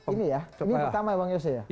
ini ya ini pertama bang yose ya betul